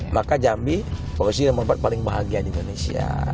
maka jambi fokusnya nomor empat paling bahagia di indonesia